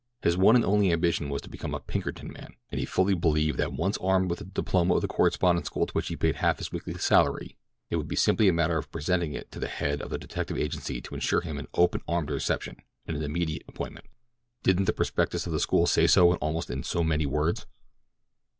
His one and only ambition was to become a Pinkerton man, and he fully believed that once armed with the diploma of the correspondence school to which he paid half his weekly salary, it would be simply a matter of presenting it to the head of the detective agency to insure him an open armed reception and an immediate appointment—didn't the prospectus of the school say so almost in so many words?